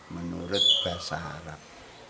menurut bahasa arab